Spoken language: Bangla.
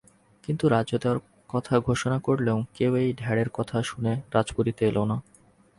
কিন্তু রাজ্য দেওয়ার কথা ঘোষণা করলেও কেউই এই ঢ্যাঁড়ার কথা শুনে রাজপুরীতে এল না।